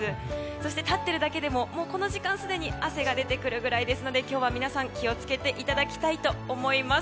そして、立っているだけでもこの時間すでに汗が出てくるぐらいなので今日は皆さん気を付けていただきたいと思います。